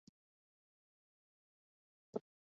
کھانا کھا لیں اور وہ ہضم ہو جائے۔